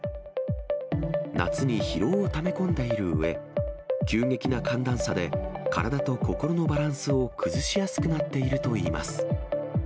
夏に疲労をため込んでいるうえ、急激な寒暖差で体と心のバランスを崩しやすくなっているといいます。